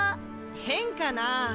変かな？